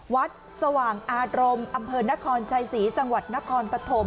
สว่างอารมณ์อำเภอนครชัยศรีจังหวัดนครปฐม